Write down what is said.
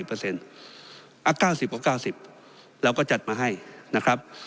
เราก็จัดมาให้นะครับ